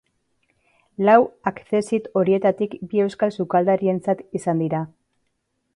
Lau accesit horietatik bi euskal sukaldarientzat izan dira.